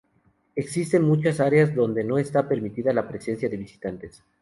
Existen muchas áreas donde no está permitida la presencia de visitantes.